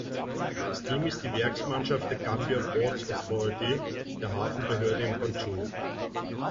Das Team ist die Werksmannschaft der Gambia Ports Authority, der Hafenbehörde in Banjul.